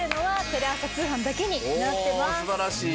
おお素晴らしい。